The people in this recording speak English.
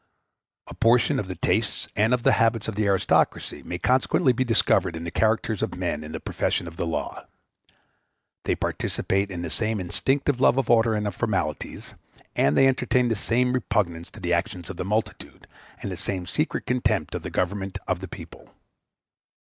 A portion of the tastes and of the habits of the aristocracy may consequently be discovered in the characters of men in the profession of the law. They participate in the same instinctive love of order and of formalities; and they entertain the same repugnance to the actions of the multitude, and the same secret contempt of the government of the people.